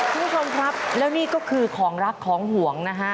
คุณผู้ชมครับแล้วนี่ก็คือของรักของห่วงนะฮะ